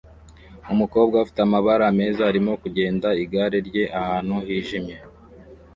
Umukobwa ufite amabara meza arimo kugenda igare rye ahantu hijimye